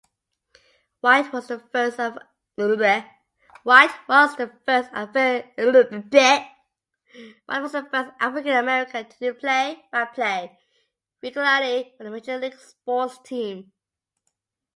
White was the first African-American to do play-by-play regularly for a major-league sports team.